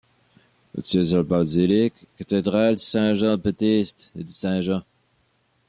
Il siège à la basilique-cathédrale Saint-Jean-Baptiste de Saint-Jean.